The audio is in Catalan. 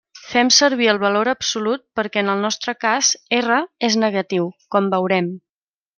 Fem servir el valor absolut perquè, en el nostre cas, R és negatiu, com veurem.